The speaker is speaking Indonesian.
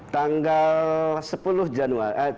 tanggal sepuluh januari